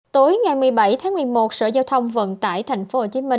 tối một mươi bảy một mươi một sở giao thông vận tải tp hcm